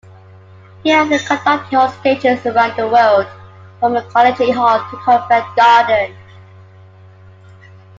He has conducted on stages around the world-from Carnegie Hall to Covent Garden.